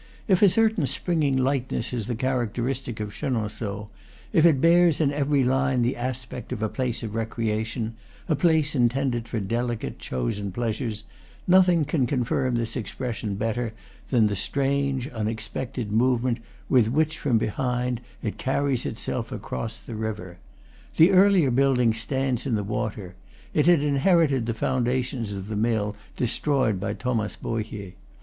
If a certain springing lightness is the charac teristic of Chenonceaux, if it bears in every line the aspect of a place of recreation, a place intended for delicate, chosen pleasures, nothing can confirm this expression better than the strange, unexpected move ment with which, from behind, it carries itself across the river. The earlier building stands in the water; it had inherited the foundations of the mill destroyed by Thomas Bohier.